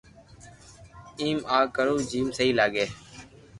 ايم ا ڪرو جيم سھي لاگي